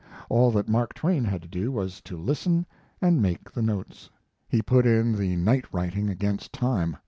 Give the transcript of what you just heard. All that Mark Twain had to do was to listen and make the notes. He put in the night writing against time.